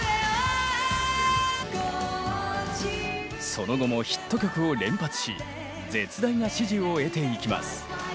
その後もヒット曲を連発し絶大な支持を得ていきます。